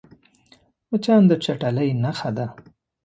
مچان د چټلۍ نښه ده